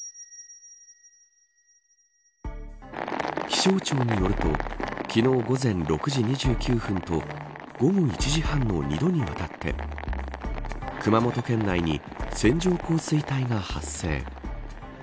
気象庁によると昨日午前６時２９分と午後１時半の２度にわたって熊本県内に線状降水帯が発生。